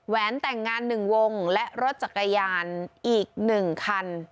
แต่งงาน๑วงและรถจักรยานอีก๑คัน